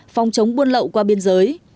phòng chống buôn lậu qua biên giới